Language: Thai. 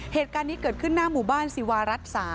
เหตุการณ์นี้เกิดขึ้นหน้าหมู่บ้านสิวารัฐ๓